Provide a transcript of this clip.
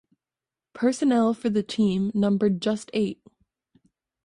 Personnel for the team numbered just eight.